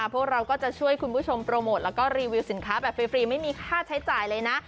พวกเราก็จะช่วยคุณผู้ชมโปรโมทแล้วก็รีวิวสินค้าแบบฟรีไม่มีค่าใช้จ่ายเลยนะ